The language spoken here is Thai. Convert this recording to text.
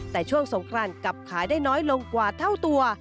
แต่ช่วงสงครานกลับขายได้น้อยลงกว่าเท่าตัว